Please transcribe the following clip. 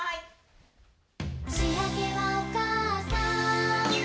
「しあげはおかあさん」